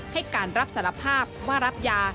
ให้การรับสารภาพว่ารับยา